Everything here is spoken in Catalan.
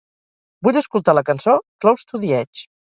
Vull escoltar la cançó "Close to the Edge"